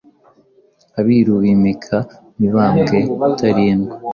Abiru bimika Mibambwe Rutalindwa